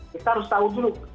kita harus tau dulu